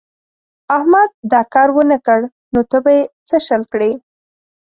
احمد دا کار و نه کړ نو ته به يې څه شل کړې.